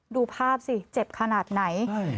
ดูภาพสิเจ็บขนาดไหน